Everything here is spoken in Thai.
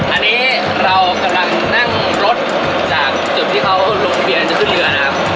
อันนี้เรากำลังนั่งรถจากจุดที่เขาลงทะเบียนจะขึ้นเรือนะครับ